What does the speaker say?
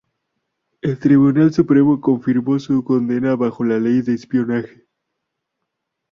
El tribunal supremo confirmó su condena bajo la Ley de Espionaje.